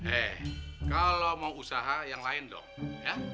eh kalau mau usaha yang lain dong ya